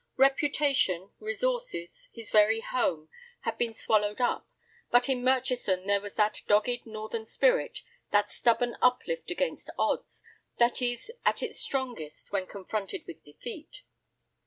Reputation, resources, his very home, had been swallowed up, but in Murchison there was that dogged northern spirit, that stubborn uplift against odds, that is at its strongest when confronted with defeat.